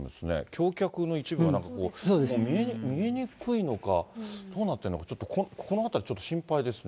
橋脚の一部がなんか、もう見えにくいのか、どうなってるのか、ここの辺り、ちょっと心配ですね。